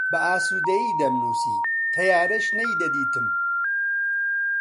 بە ئاسوودەیی دەمنووسی، تەیارەش نەیدەدیتم